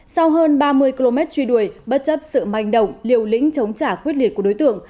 sau hơn ba mươi km truy đuổi bất chấp sự manh động liều lĩnh chống trả quyết liệt của đối tượng